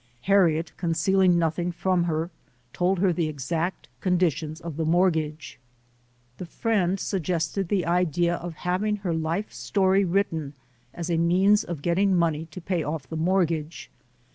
Harriet, concealing nothing from her, told her the exact conditions of the mortgage. The friend suggested the idea of having her life story written as a means of getting money to pay off the mortgage.